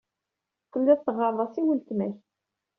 Telliḍ teɣɣareḍ-as i weltma-k.